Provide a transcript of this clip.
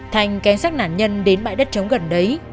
thành kén sát nạn nhân đến bãi đất chống gần đấy